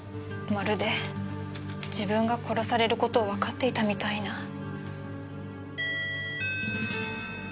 まるで自分が殺される事をわかっていたみたいな。